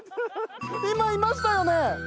今いましたよね？